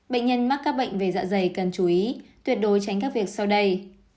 bệnh nhân mắc các bệnh về dạ dày cần chú ý tuyệt đối tránh các việc sau đây